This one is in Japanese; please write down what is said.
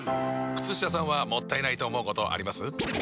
靴下さんはもったいないと思うことあります？